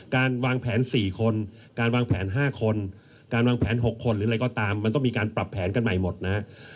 การวางแผน๔คนการวางแผน๕คนการวางแผน๖คนหรืออะไรก็ตามมันต้องมีการปรับแผนกันใหม่หมดนะฮะ